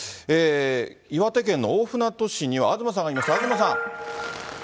岩手県の大船渡市には東さんがいます、東さん。